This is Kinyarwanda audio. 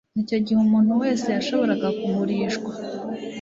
Icyo gihe umuntu wese yashoboraga kugurishwa